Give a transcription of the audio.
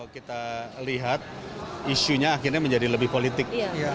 kita lihat isunya akhirnya menjadi lebih politik